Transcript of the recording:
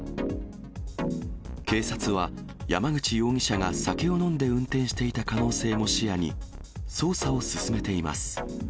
警察は山口容疑者が酒を飲んで運転していた可能性も視野に、捜査を進めています。